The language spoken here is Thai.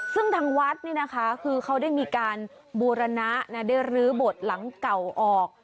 ซึ่งทางวัดนี่นะคะคือเขาได้มีการบูรณะได้รื้อบทหลังเก่าออก